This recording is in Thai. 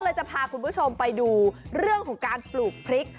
จะพาคุณผู้ชมไปดูเรื่องของการปลูกพริก